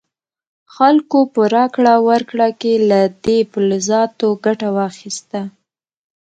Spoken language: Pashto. خلکو په راکړه ورکړه کې له دې فلزاتو ګټه واخیسته.